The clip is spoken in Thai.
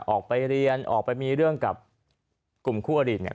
ออกไปเรียนออกไปมีเรื่องกับกลุ่มคู่อดีตเนี่ย